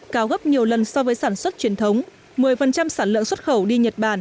cao gấp nhiều lần so với sản xuất truyền thống một mươi sản lượng xuất khẩu đi nhật bản